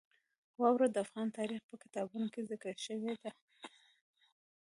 واوره د افغان تاریخ په کتابونو کې ذکر شوې ده.